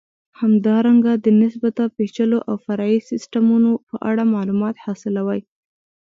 همدارنګه د نسبتا پېچلو او فرعي سیسټمونو په اړه معلومات حاصلوئ.